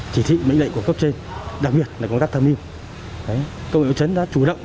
chỉ thị mệnh lệnh của cấp trên đặc biệt là công tác tham niên